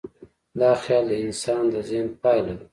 دا خیال د انسان د ذهن پایله ده.